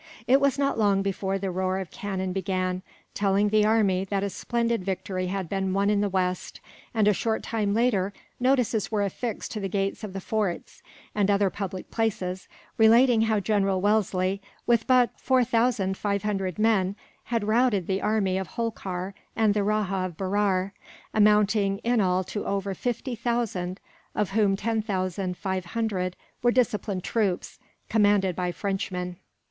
It was not long before the roar of cannon began, telling the army that a splendid victory had been won in the west; and a short time later notices were affixed to the gates of the forts, and other public places, relating how General Wellesley, with but four thousand five hundred men, had routed the army of Holkar and the Rajah of Berar amounting in all to over fifty thousand, of whom ten thousand five hundred were disciplined troops, commanded by Frenchmen.